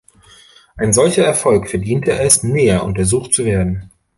Ein solcher Erfolg verdiente es, näher untersucht zu werden.